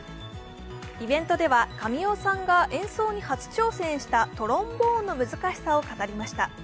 イベントでは神尾さんが演奏に初挑戦したトロンボーンの難しさを語りました。